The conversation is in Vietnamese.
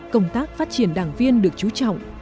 công tác phát triển đảng viên được trú trọng